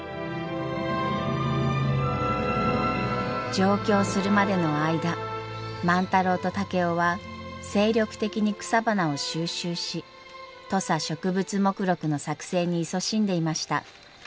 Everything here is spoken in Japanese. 上京するまでの間万太郎と竹雄は精力的に草花を収集し土佐植物目録の作成にいそしんでいました。